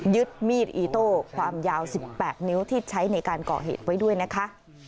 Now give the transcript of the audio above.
ยึดมีดอีโต้ความยาว๑๘นิ้วที่ใช้ในการก่อเหตุไว้ด้วยนะคะ